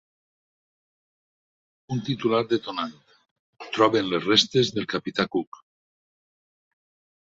Un titular detonant: «Troben les restes del capità Cook».